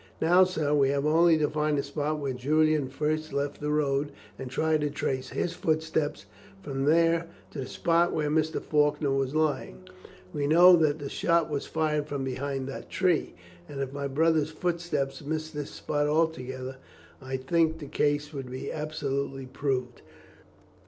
Now, sir, we have only to find the spot where Julian first left the road, and try to trace his footsteps from there to the spot where Mr. Faulkner was lying. We know that the shot was fired from behind that tree and if my brother's footsteps miss this spot altogether, I think the case will be absolutely proved."